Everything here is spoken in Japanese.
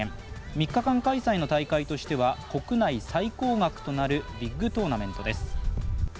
３日間開催の大会としては、国内最高額となるビッグトーナメントです。